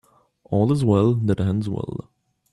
All's well that ends well.